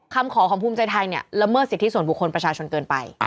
คำขอของภูมิใจไทยเนี่ยละเมิดสิทธิส่วนบุคคลประชาชนเกินไป